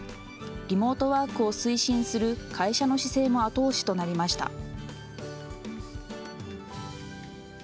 リモートワークを推進する会社の姿勢も後押しとなりました。